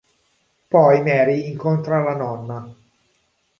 Poi Mary incontra la nonna.